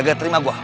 gak terima gue